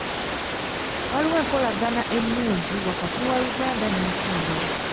Waliwo enkolagana ennungi wakati wa Uganda n'ensi endala.